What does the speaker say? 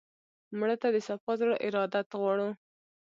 مړه ته د صفا زړه ارادت غواړو